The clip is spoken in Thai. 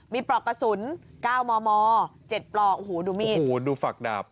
มีปลอกกระสุน๙มม๗ปลอกโอ้โหดูมีดโอ้โหดูฝักดาบ